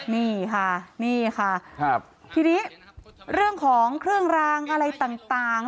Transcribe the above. นี่ค่ะนี่ค่ะทีนี้เรื่องของเครื่องรางอะไรต่าง